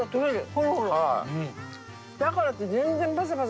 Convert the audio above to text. ホロホロ。